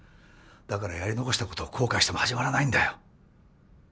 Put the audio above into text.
だからやり残したことを後悔しても始まらないんだよ。